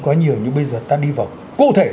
quá nhiều nhưng bây giờ ta đi vào cụ thể